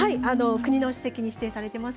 国の史跡に指定されています。